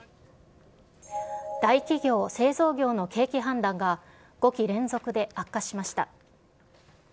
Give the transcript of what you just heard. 大企業・製造業の景気判断が５期連続で悪化しました。